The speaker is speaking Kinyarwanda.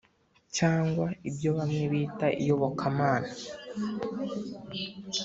cyangwa ibyo bamwe bita "Iyobokamana"